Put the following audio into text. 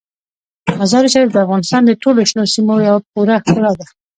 مزارشریف د افغانستان د ټولو شنو سیمو یوه پوره ښکلا ده.